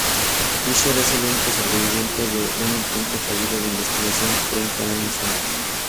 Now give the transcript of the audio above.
Fischer es el único sobreviviente de un intento fallido de investigación treinta años antes.